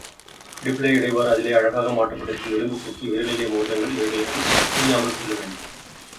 இடுப்பிலே இடைவார் அதிலே அழகாக மாட்டப்பட்டிருக்கும் இரும்புக் கொக்கி, விரலிலே மோதிரங்கள் இவைகளை அணியாமல் செல்ல வேண்டும்.